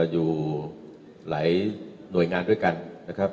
อยู่หลายหน่วยงานด้วยกันนะครับ